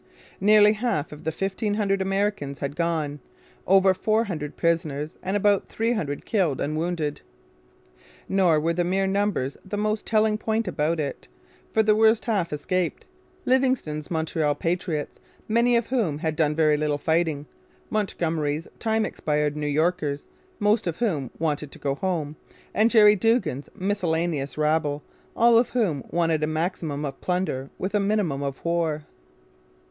Nearly half of the fifteen hundred Americans had gone over four hundred prisoners and about three hundred killed and wounded. Nor were the mere numbers the most telling point about it; for the worse half escaped Livingston's Montreal 'patriots,' many of whom had done very little fighting, Montgomery's time expired New Yorkers, most of whom wanted to go home, and Jerry Duggan's miscellaneous rabble, all of whom wanted a maximum of plunder with a minimum of war.